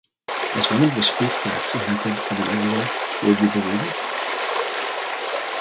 As one of the spoof facts invented for the regular Would You Believe It?